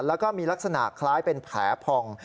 แล้วก็มีลักษณะคล้ายเป็นแผลผ่อง